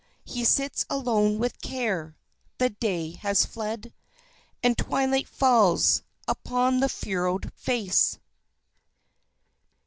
He sits alone with Care; the day has fled And twilight falls, upon the furrowed face.